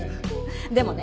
でもね